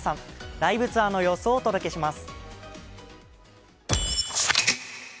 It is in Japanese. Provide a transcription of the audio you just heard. ライブツアーの様子をお届けします。